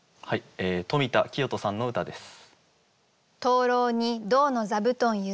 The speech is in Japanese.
富田清人さんの歌です。